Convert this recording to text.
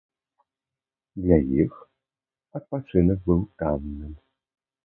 Для іх адпачынак быў танным.